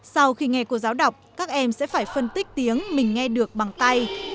sau khi nghe cô giáo đọc các em sẽ phải phân tích tiếng mình nghe được bằng tay